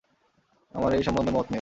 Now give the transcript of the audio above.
আমার এই সম্বন্ধে মত নেই।